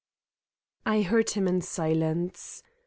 I heard him in silence.